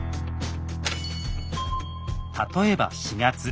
例えば４月。